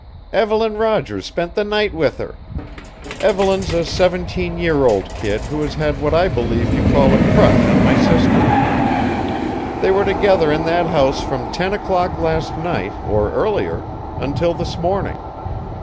"Evelyn Rogers spent the night with her. Evelyn's a seventeen year old kid who has had what I believe you call a crush on my sister. They were together in that house from ten o'clock last night, or earlier, until this morning.